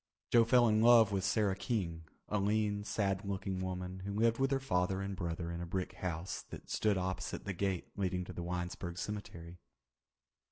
Joe fell in love with Sarah King, a lean, sad looking woman who lived with her father and brother in a brick house that stood opposite the gate leading to the Winesburg Cemetery.